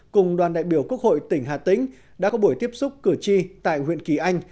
cùng đoàn đại biểu quốc hội tỉnh hà tĩnh đã có buổi tiếp xúc cử tri tại huyện kỳ anh